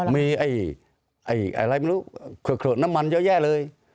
มีอะไรไม่รู้น้ำมันเยอะแยะเลย